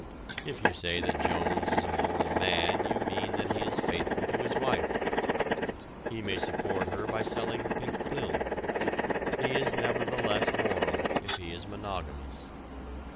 If you say that Jones is a moral man you mean that he is faithful to his wife. He may support her by selling pink pills; he is nevertheless moral if he is monogamous.